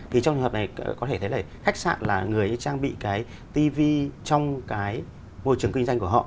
thì trong trường hợp này có thể thấy là khách sạn là người trang bị cái tv trong cái môi trường kinh doanh của họ